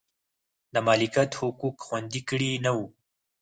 د مالکیت حقوق خوندي کړي نه و.